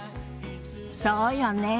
そうよねえ。